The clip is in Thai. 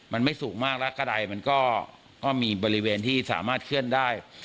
มันไม่สูงมากแล้วก็ใดมันก็มีบริเวณที่สามารถเคลื่อนได้